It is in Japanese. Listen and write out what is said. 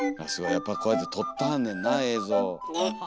やっぱこうやって撮ってはんねんな映像。